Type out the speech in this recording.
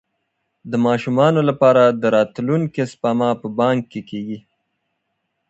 د ماشومانو لپاره د راتلونکي سپما په بانک کې کیږي.